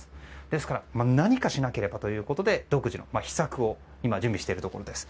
ですから何かしなければということで独自の秘策を今、準備しているところです。